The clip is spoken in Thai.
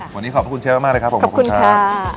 วันนี้ขอบคุณเชฟมากเลยครับผมขอบคุณค่ะขอบคุณค่ะ